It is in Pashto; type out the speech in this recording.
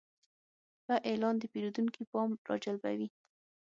ښه اعلان د پیرودونکي پام راجلبوي.